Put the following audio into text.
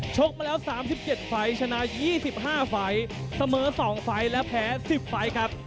ชกมาแล้ว๓๗ไฟชนะ๒๕ไฟเสมอ๒ไฟแล้วแพ้๑๐ไฟครับ